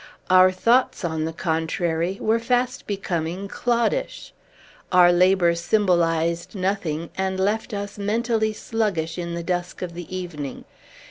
Our thoughts, on the contrary, were fast becoming cloddish. Our labor symbolized nothing, and left us mentally sluggish in the dusk of the evening.